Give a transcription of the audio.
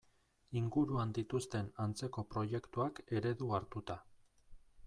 Inguruan dituzten antzeko proiektuak eredu hartuta.